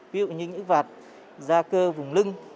ví dụ như những vạt ra cơ vùng lưng